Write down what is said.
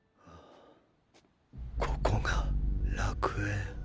ここが楽園。